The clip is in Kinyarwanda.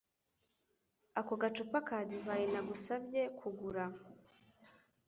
Ako gacupa ka divayi nagusabye kugura.